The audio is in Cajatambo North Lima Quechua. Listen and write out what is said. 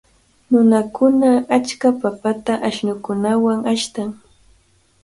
Nunakuna achka papata ashnukunawan ashtan.